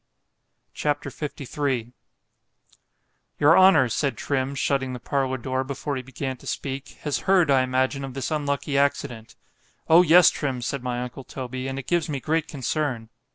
C H A P. LIII YOUR honour, said Trim, shutting the parlour door before he began to speak, has heard, I imagine, of this unlucky accident——O yes, Trim, said my uncle Toby, and it gives me great concern.